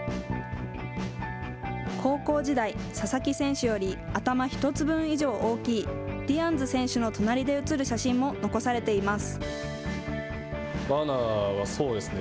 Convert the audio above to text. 高校時代、佐々木選手より頭１つ分以上大きいディアンズ選手の隣で写る写真も残されています。